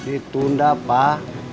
itu nda pak